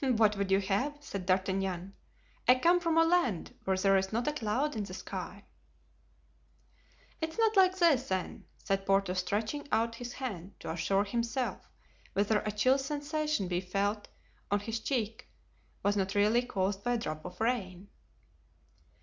"What would you have?" said D'Artagnan. "I come from a land where there is not a cloud in the sky." "It is not like this, then," said Porthos stretching out his hand to assure himself whether a chill sensation he felt on his cheek was not really caused by a drop of rain.